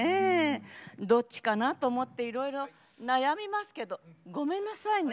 どっちかなと思っていろいろ悩みますけどごめんなさいね。